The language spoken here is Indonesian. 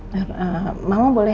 mama boleh nanya nggak ke kamu